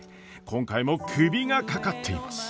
今回もクビがかかっています。